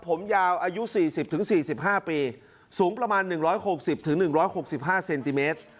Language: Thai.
ผมยาวอายุสี่สิบถึงสี่สิบห้าปีสูงประมาณหนึ่งร้อยหกสิบถึงหนึ่งร้อยหกสิบห้าเซนติเมตร